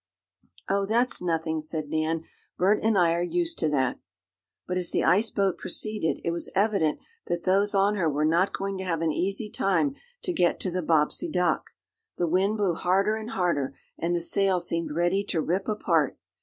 "Oh, that's nothing," said Nan. "Bert and I are used to that." But as the ice boat proceeded it was evident that those on her were not going to have an easy time to get to the Bobbsey dock. The wind blew harder and harder, and the sail seemed ready to rip apart.